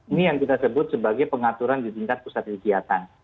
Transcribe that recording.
ini yang kita sebut sebagai pengaturan di tingkat pusat kegiatan